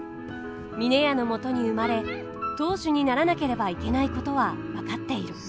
峰屋のもとに生まれ当主にならなければいけないことは分かっている。